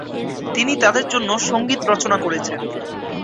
তিনি তাদের জন্য সঙ্গীত রচনা করেছেন।